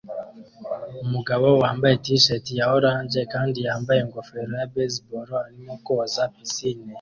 Umugabo wambaye t-shirt ya orange kandi yambaye ingofero ya baseball arimo koza pisine